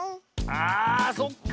あそっか。